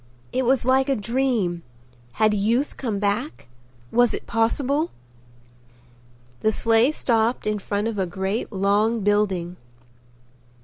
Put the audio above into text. It was like a dream. Had youth come back? Was it possible? The sleigh stopped in front of a great long building.